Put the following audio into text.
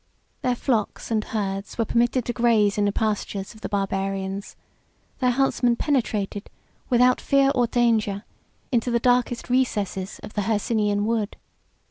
Their flocks and herds were permitted to graze in the pastures of the Barbarians; their huntsmen penetrated, without fear or danger, into the darkest recesses of the Hercynian wood.